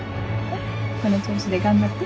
この調子で頑張って。